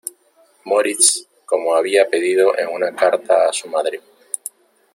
Moritz como había pedido en una carta a su madre.